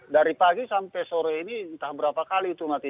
dari pagi sampai sore ini entah berapa kali itu mati